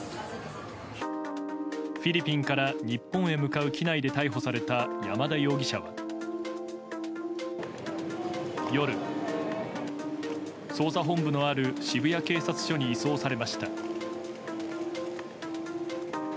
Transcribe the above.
フィリピンから日本へ向かう機内で逮捕された山田容疑者は夜、捜査本部のある渋谷警察署に移送されました。